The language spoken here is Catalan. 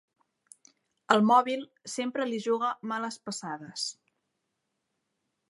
El mòbil sempre li juga males passades.